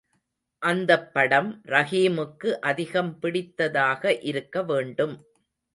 அந்தப் படம் ரஹீமுக்கு அதிகம் பிடித்ததாக இருக்க வேண்டும்.